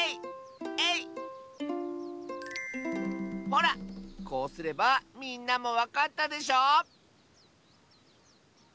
ほらこうすればみんなもわかったでしょ？